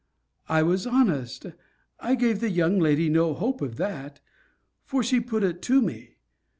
I was honest. I gave the young lady no hope of that; for she put it to me.